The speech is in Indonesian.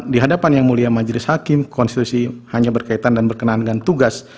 di hadapan yang mulia majelis hakim konstitusi hanya berkaitan dan berkenaan dengan tugas